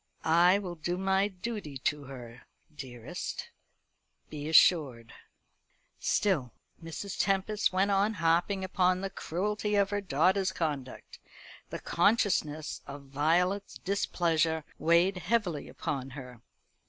"I will do my duty to her, dearest, be assured." Still Mrs. Tempest went on harping upon the cruelty of her daughter's conduct. The consciousness of Violet's displeasure weighed heavily upon her.